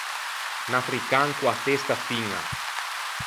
Un african co-a testa fiña.